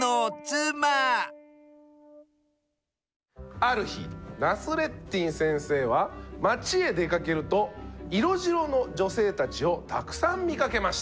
ある日ナスレッディン先生は町へ出かけると色白の女性たちをたくさん見かけました。